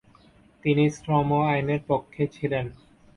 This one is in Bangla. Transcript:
তিনি শ্রম আইনের পক্ষে ছিলেন।